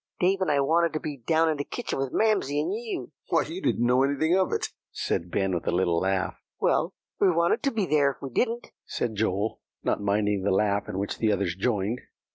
"Dave and I wanted to be down in the kitchen with Mamsie and you." "Why, you didn't know anything of it," said Ben with a little laugh. "Well, we wanted to be there if we didn't," said Joel, not minding the laugh in which the others joined.